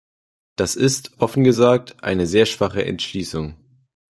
Das ist, offen gesagt, eine sehr schwache Entschließung.